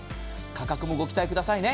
価格もご期待ください。